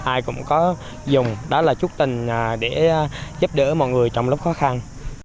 ai cũng có dùng đó là chúc tình để giúp đỡ mọi người trong lúc khó khăn